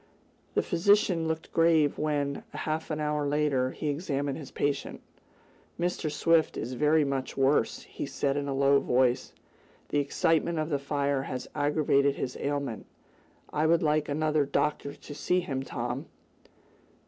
The physician looked grave when, half an hour later, he examined his patient. "Mr. Swift is very much worse," he said in a low voice. "The excitement of the fire has aggravated his ailment. I would like another doctor to see him, Tom."